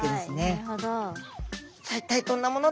なるほど。